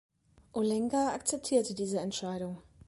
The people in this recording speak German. Ulenga akzeptierte diese Entscheidung.